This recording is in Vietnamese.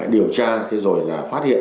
điều tra rồi là phát hiện